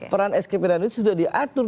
peran skpd dan unit sudah diatur